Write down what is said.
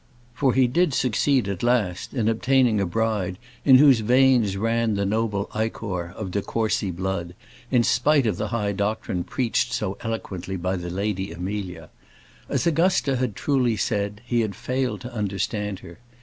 For he did succeed at last in obtaining a bride in whose veins ran the noble ichor of de Courcy blood, in spite of the high doctrine preached so eloquently by the Lady Amelia. As Augusta had truly said, he had failed to understand her.